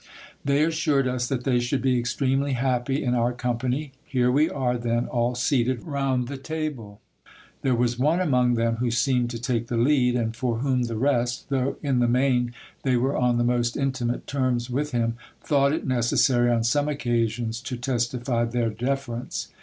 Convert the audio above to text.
They assured us that they should be extremely happy in our company. Here we are, then, all seated round the table. There was one among them who seemed to take the lead ; and for whom the rest, though in the main they were on the most intimate terms with him, thought it necessary on some occasions to testify their deference.